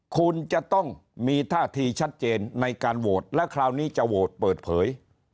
คุณจะต้องมีท่าทีชัดเจนในการโหวตและคราวนี้จะโหวตเปิดเผย